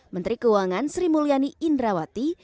menteri keuangan sri mulyani indrawati